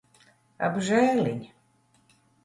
Apžēliņ.